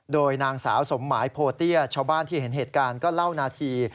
โดยนางสาวสมหมายโพเตี้ยชาวบ้านที่เห็นเหตุการณ์ก็เล่านาที